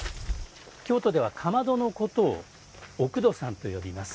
京都ではかまどのことをおくどさんと呼びます。